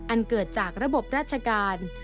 อันเกิดจากระบบราชการ